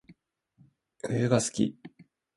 冬が好き